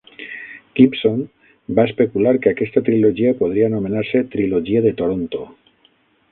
Gibson va especular que aquesta trilogia podria anomenar-se "Trilogia de Toronto".